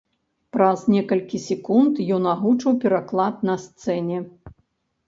Праз некалькі секунд ён агучыў пераклад на сцэне.